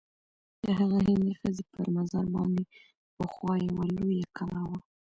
د هغه هندۍ ښځي پر مزار باندي پخوا یوه لویه کلا وه.